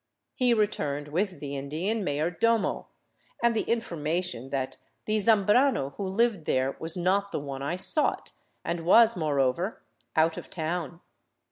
He returned with the Indian mayordomo, and the information that the Zambrano who lived there was not the one I sought, and was, moreover, out of town.